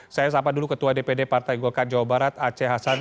saya sapa dulu ketua dpd partai golkar jawa barat aceh hasan